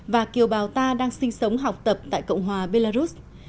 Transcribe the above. và kiều bào ta đang sinh sống học tập tại cộng hòa belarus